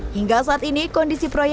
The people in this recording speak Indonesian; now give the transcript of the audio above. hingga saat ini kondisi proyek